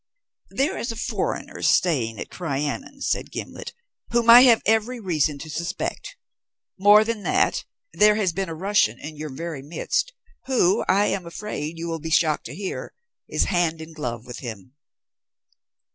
"There is a foreigner staying at Crianan," said Gimblet, "whom I have every reason to suspect. More than that, there has been a Russian in your very midst who, I am afraid, you will be shocked to hear, is hand in glove with him."